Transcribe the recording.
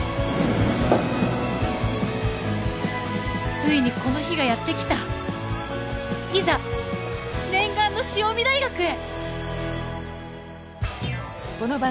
ついにこの日がやってきたいざ念願の潮海大学へ！